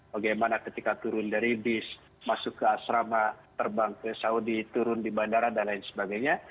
bagaimana ketika turun dari bis masuk ke asrama terbang ke saudi turun di bandara dan lain sebagainya